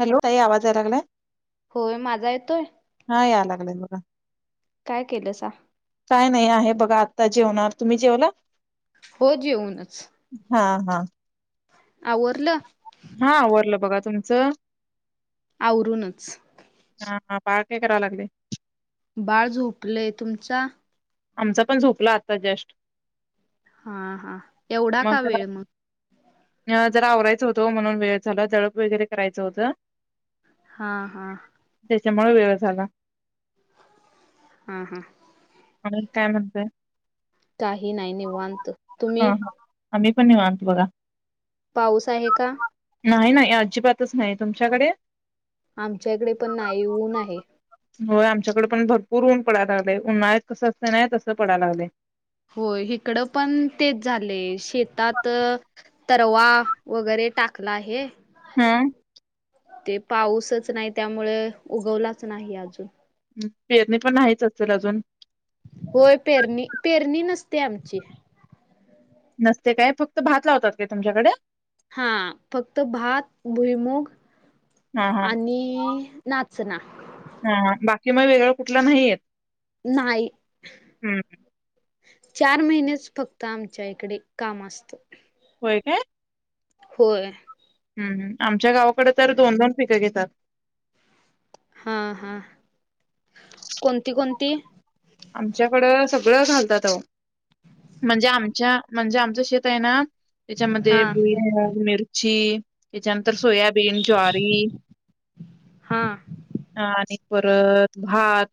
Hello काही आवाज या लागलाय होय माझा येतोय हा याय लागलाय बघ काय केलं स काय नाही आहे बघा आत्ता जेवणार तुम्ही जेवला हो ज येेऊनच हा हा अ उर्ला हा आवरलं बघा तुमचं आवरूनच हा पारके कराव लागले बाळ झोपलंय तुमचा आमचा पण झोपला आता जस्ट हा हा एवढा का वेळ मग जरा आवरायचं होतं म्हणून वेळ झाला जडप वगैरे करायचं होतं हा हा त्याच्यामुळे वेळ झाला हा हा आणि काय म्हणतय काही नाही निवांत हा तुम्ही हा आम्ही पण नि म्हनतो बघा पाऊस आहे का नाही नाही अजिबातच नाही तुमच्याकडे आमच्याकडे पण नाही ऊन आहे.... होय आमच्याकडे पण भरपूर ऊन पडाय लागले उन्हाळत कसं असत ना तसं पडाय लागले. होय हिकडं पण तेच झालंय शेतात.. रवा वगैरे टाकला आहे. हम्म. ते पाऊसच नाही त्यामुळे उगवलाच नाही अजून. पेरणी पण नाहीच असेल अजून होय पेरणी पेरणी नसते आमची. नसते काय फक्त भात लावतात काय तुमच्याकडे. हा फक्त भात भुईमूग. हा हा आणि नाचना हा बाकी मग वेगळ कुठल नाही येत. नाही. हं, चार महिनेच फक्त आमच्या इकडे काम असतं. होय का होय हम्मम आमच्या गावाकडे तर दोन दोन पिकं घेतात हा हा कोणती कोणती आमच्याकडं सगळं घालतात अहो.... म्हणजे आमच्या म्हणजे आमचं शेत आहे ना त्याच्यामध्ये हा भुई मिरची त्याच्यानंतर सोयाबीन ज्वारी... हा आणि परत भात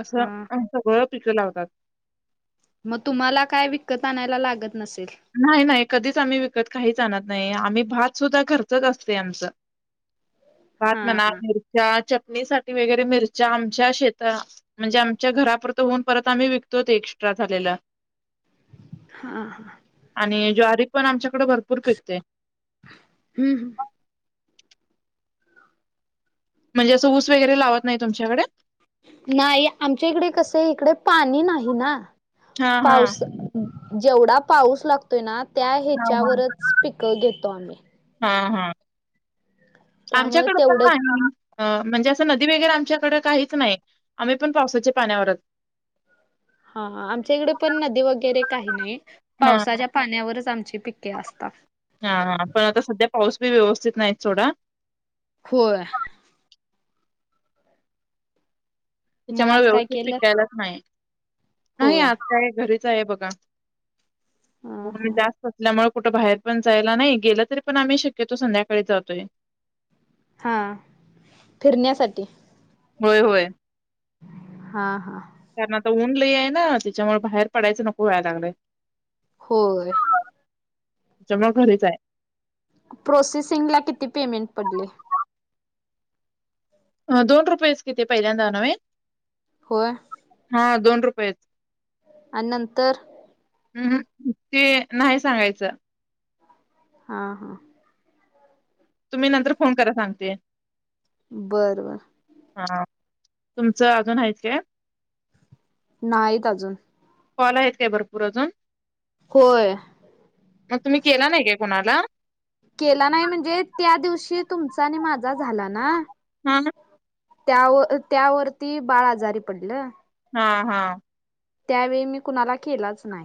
असं हा आम्ही सगळं पिकं लावतात. मग तुम्हाला काय विकत आणायला लागत नसेल. नाय नाय कधीच आम्ही विकत काहीच आणत नाही आम्ही भात सुद्धा घरचच असतय आमचं. भात हा म्हणा हा मिरच्या चटणी साठी वगैरे मिरच्या आमच्या शेतात.. म्हणजे आमच्या घरापुरत होऊन परत आम्ही विकतो ते एक्स्ट्रा झालेल. हाह... आणि ज्वारी पण आमच्याकडे भरपूर पिकते. हम्म. म्हणजे असं ऊस वगैरे लावत नाही तुमच्याकडे..... नाही आमच्या इकडे कसये इकडे पाणी नाही ना हा हा पाऊस जेवढा पाऊस लागतोय ना त्या हा ह्याच्यावरच पिकं घेतो आम्ही. हा हा त्यामुळे आमच्याकड तेवढं पण आहे.... अ म्हणजे असं नदी वगैरे आमच्याकडे काहीच नाही आम्ही पण पावसाच्या पाण्यावरच.... हा हा आमच्या इकडे पण नदी वगैरे काही नाही हा पावसाच्या पाण्यावरच आमची पिके असतात. हा हा पण आता सध्या पाऊस बी व्यवस्थित नाहीत सोडा होय.... मग त्याच्यामुळे आज काय व्यवस्थित केलं? पिकायलाच नाही नाही होय. आजच आहे घरीच आहे बघा. हा पूर्वी हा. जास्तच ल्यामुळे कुठं बाहेर पण जायला नाही गेलं तरी पण आम्ही शक्यतो संध्याकाळी जातोय. हा फिरण्यासाठी.... होय होय. हा हा. त्यानंतर ऊन लय आहे ना त्याच्यामुळे बाहेर पडायचं नको व्हायला लागलय.... होय. जमा घरीच आहे. प्रोसेसिंग ला किती पेमेंट पडले? दोन रुपयेच कि ते पहिल्यांदा नव्हे होय हा दोन रुपयेच आणि नंतर हुं हुं ते नाही सांगायचं हां हां तुम्ही नंतर फोन करा सांगते बर बर हा तुमचं अजून आहेत काय? नाहीत अजून. कॉल आहेत काय भरपूर अजून? होय मग तुम्ही केला नाहीे कोणाला? केला नाही म्हणजे त्या दिवशी तुमचा आणि माझा झाला ना हा त्यावर त्यावरती बाळ आजारी पडलं. हा हा. त्यावेळी मी कुणाला केलाच नाय.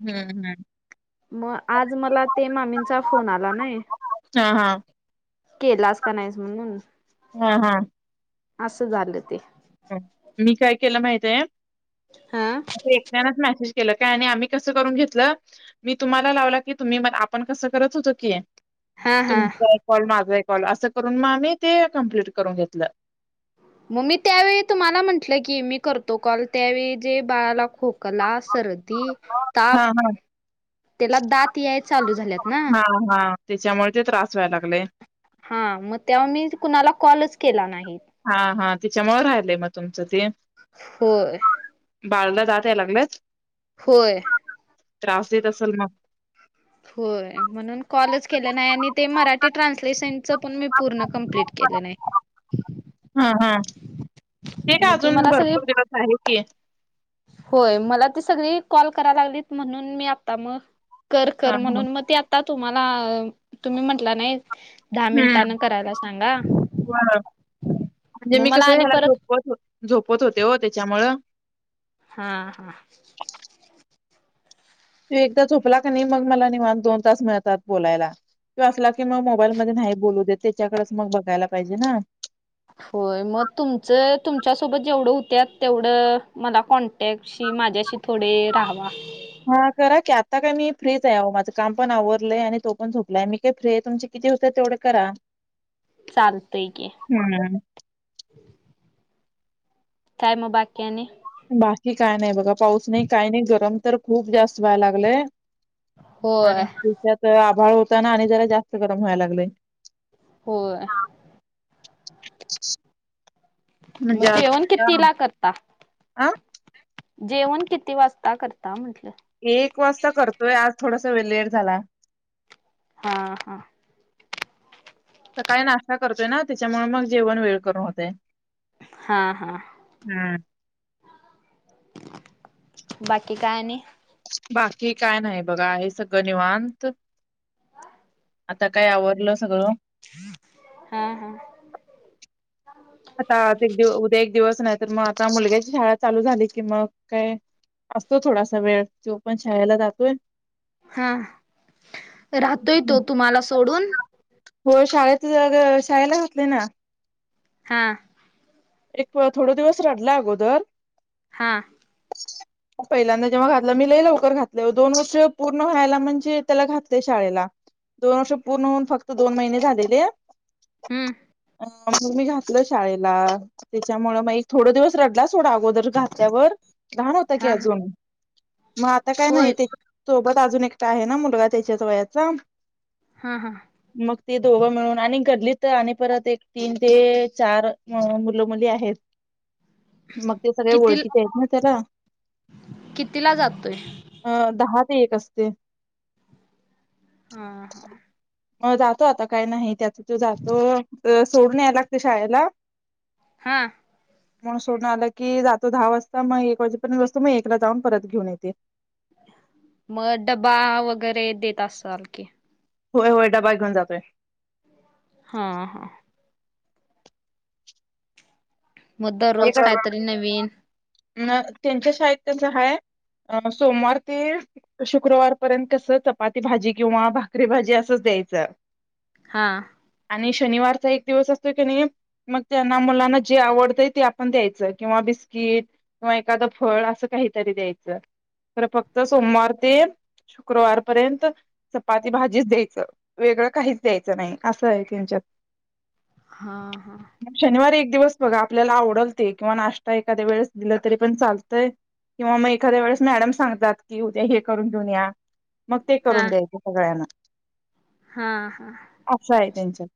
हम्म हम्म. मग आज मला ते मामींचा फोन आला नाय हां, हां. केलास का नाहीस म्हणून हा हा असं झालं ते मी काय केलं माहितय आहे? हा अस एकट्यानाच मॅसेज केलं काय आणि आम्ही कसं करून घेतलं मी तुम्हाला लावला की तुम्ही मला आपण कसं करत होतो की हा हा. तुमचा एक कॉल, माझा एक कॉल असं करून मग आम्ही ते कंप्लीट करून घेतलं मग् मी त्यावेळी तुम्हाला म्हंटलं की मी करतो कॉल त्यावेळी जे बाळाला खूप खो, सर्दी, ताप हां, हां. त्याला दात याय चालू झाल्यात ना ह हा त्याच्यामुळे ते त्रास व्हाय लागलय हा मग तेव्हा मी कुणाला कॉलच केला नाही. हा हा तिच्यामुळे राहिलय मग तुमचं ते होय बाळाला दात या लागल्यात. होय त्रास देत असल मग होय म्हणून कॉलच केलं नाही आणि ते मराठी ट्रान्सलेशन च पण मी पूर्ण कंप्ट केलं नाही. ह ते काय मग ती अजून मला सगळी भरपूर दिवस आहे की होय मला ती सगळी कॉल करा लागलीत म्हणून मी आता मग कर कर हं, हं. म्हणून मग ते आता तुम्हांला तुम्ही म्हटला नाही दहा हुं मिनिटानं करायला सांगा बर म्हणजे मग मी मला कसं आणि ह्याला परत झोपवत होते झोपवत होते हो त्याच्यामुळं हा हा ह्यो एकदा झोपला का नाही मग मला निवांत दोन तास मिळतात बोलायला त्यो असला की मग मोबाईल मध्ये नाही बोलू देत त्याच्याकडेच मग बघायला पाहिजे ना. होय मग तुमचं तुमच्यासोबत जेवढं होत्यात तेवढं मला कॉन टॅक्ट्शी माझ्याशी थोडे राहावा हा करा की आता काय मी फ्रीच आहे माझं काम पण आवरलंय आणि तो पण झोपलाय मी फ्री तुमचे किती होतेत तेवढं करा चालतंय की हम्म काय म बाकी आणि बाकी काय नाही बघा पाऊस नाही काही नाही गरम तर खूप जास्त व्हायला लागलंय होय आणि त्यात आभाळ होतं ना आणि जरा जास्त गरम व्हायला लागलंय होय मग म्हणजे आज जेवण किती हां, ला करता आ जेवण किती वाजता करता म्हटलं एक वाजता करतोय आज थोडासा वे लेट झाला हा हा सकाळी नाश्ता करतोय ना त्याच्यामुळे मग जेवण वेळ करून होतंय हा हा हम्म [unintelligible] बाकी काय आणि बाकी काय नाही बघा आहे सगळं निवांत आता काय आवरलं सगळं हा हा आता आज एक दिवस, उद्या एक दिवस नाही तर मग आता मुलग्याची शाळा चालू झाली की मग काय असतो थोडासा वेळ तो पण शाळेला जातोय. हा राहतोय तो तुम्हाला सोडून होय शाळेच शाळेला घातलंय ना हां एक थोडं दिवस रडला अगोदर हां [unintelligible] पहिल्यांदा जेव्हा घातलं मी लय लवकर घातलंय दोन वर्ष पूर्ण व्हायला म्हणजे त्याला घातलय शाळेला दोन वर्ष पूर्ण होऊन फक्त दोन महिने झालेले हम्म मग मी घातलं शाळेला त्याच्यामुळं मग एक थोडं दिवस रडला सोडा अगोदर घातल्यावर लहान होता की हा हा अजून मग आता काय होय नाही त्याच्या सोबत अजून एकटा आहे ना मुलगा त्याच्याच वयाचा हा हां मग ती दोघं मिळून आणि घडली तर आणि परत एक तीन ते चार म्हणून मुलं मुली आहेत मग ते सगळे किती ओळखीचे आहेत ना त्याला कितीला जातोय अ दहा ते एक असते हा हा अ जातो आता काय नाही त्याचं तो जातो सोडून याय लागते शाळेला हं म्हणून सोडून आलं की जातो दहा वाजता मग एक वाजेपर्यंत बसतो मग एकला जाऊन परत घेऊन येते मग होय होय डबा घेऊन जातोय हा हा मग दररोज कायतरी नवीन अ त्यांच्या शाळेत त्यांच हाय सोमवार ते शुक्रवारपर्यंत कसं चपाती भाजी किंवा भाकरी भाजी असंच द्यायचं हां आणि शनिवारचा एक दिवस असतो की नाही मग त्यांना मुलांना जे आवडतंय ते आपण द्यायचं किंवा बिस्किट किंवा एखादं फळ असं काहीतरी द्यायचं तर फक्त सोमवार ते शुक्रवारपर्यंत चपाती भाजीच द्यायचं वेगळं काहीच द्यायचं नाही असं आहे त्यांच्यात हां हां ग शनिवारी एक दिवस बघा आपल्याला आवडलते किंवा नाश्ता एखाद्या वेळेस दिलं तरी पण चालतंय किंवा मग एखाद्या वेळेस मॅडम सांगतात की उद्या हे करून घेऊन या मग ते हा करून द्यायचे सगळ्यांना हा हा असं आहे त्यांच्यात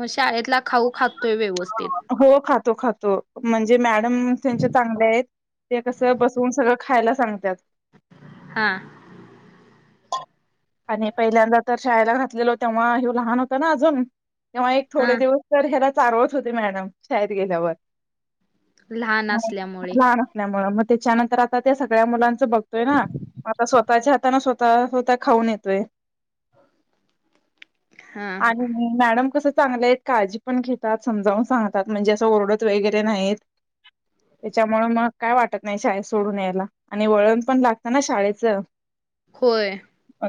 मग शाळेतला खाऊ खातोय व्यवस्थित हो खातो खातो म्हणजे मॅडम त्यांचे चांगले आहेत ते कसं बसवून सगळं खायला सांगतात हा [unintelligible] आणि पहिल्यांदा तर शाळेला घातलेलो तेव्हा हि लहान होतं ना अजून तेव्हा एक थोडे हा दिवस तर ह्याला चाारवत होते मॅडम शाळेत गेल्यावर लहान असल्यामुळे लहान असल्यामूळ मग त्याच्यानंतर आता त्या सगळ्या मुलां च बघतोय ना आता स्वतःच्या हाताने स्वतः स्वतः खाऊन येतोय हा हा आणि मॅडम कसं चांगल्या आहेत काळजी पण घेतात समजावून सांगतात म्हणजे असं ओरडत वगैरे नाहीत. त्याच्यामुळे मग काय वाटत नाही शाळेत सोडून यायला. आणि वळण पण लागतं ना शाळेचं होय.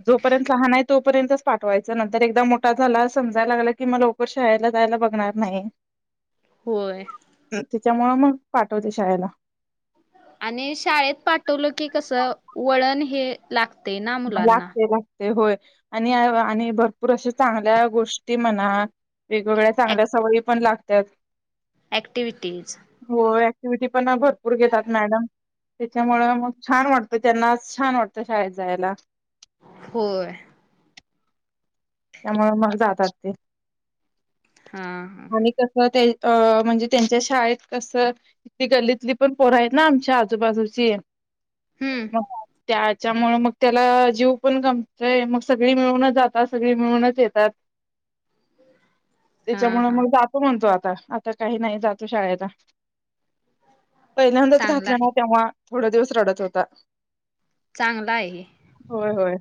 जोपर्यंत लहान आहे तोपर्यंतच पाठवायचं नंतर एकदा मोठा झाला समजायला लागला की मग शाळेला जायला बघणार नाही होय. त्याच्या मूळ मग पाठवते शाळेला. आणि शाळेत पाठवलं की कसं वळण हे लागते मुलांना लागते लागते होय आणि आणि भरपूर अशा चांगल्या गोष्टी म्हणा वेगवेगळ्या चांगल्या सवयी पण लागतात ॲक्टिविटीज हो ऍक्टिव्हटी पण भरपूर घेतात मॅडम. त्याच्यामुळ मग छान वाटतं त्यांना छान वाटतं शाळेत जायला होय. त्यामुळे मग जातात ते हा हा. [unintelligible] अह म्हणजे त्यांच्या शाळेत कसं ति गल्लीतली पण पोर आहेत ना आमच्या आजूबाजूची हम्म मग त्याच्यामुळे मग त्याला जीव पण गमतय मग सगळी मिळूनच जातात त्या सगळे मिळूनच येतात हा त्याच्यामुळे हा मग आप त म्हणतो आता आता काही नाही जातो शाळेचा पहिल्यांदाच चांगला घातलं आहे ना तेव्हा थोड दिवस रडत होता चांगलं आहे. होय होय.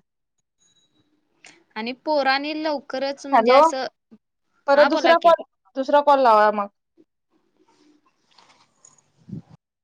आणि पोरानी लवकरच म्हणजे हॅलो असं, परत हा बोला दुसरा की कॉल दुसरा कॉल लावा मग